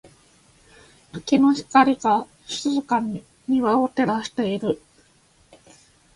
月の光が、静かに庭を照らしている。